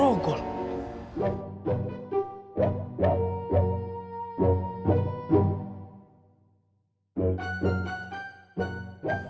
pak rt kecelacap